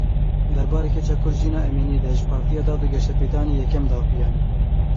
Derbarê keça Kurd Jîna Emînî de ji Partiya Dad û Geşepêdanê yekem daxuyanî.